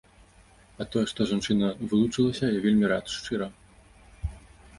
А тое, што жанчына вылучылася, я вельмі рад, шчыра.